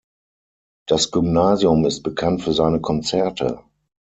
Das Gymnasium ist bekannt für seine Konzerte.